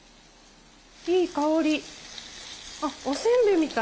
いい香り。